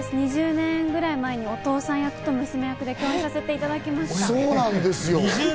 ２０年前ぐらいにお父さん役と娘役でやらせていただきました。